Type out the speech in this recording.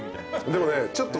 でもねちょっと。